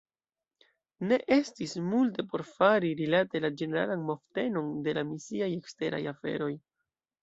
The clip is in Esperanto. Ne estis multe por fari rilate la ĝeneralan movtenon de la misiaj eksteraj aferoj.